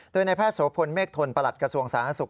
โดยในแพทย์โสพลเมฆทนประหลัดกระทรวงสาธารณสุข